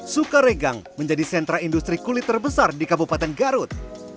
sukaregang menjadi sentra industri kulit terbesar di kabupaten garut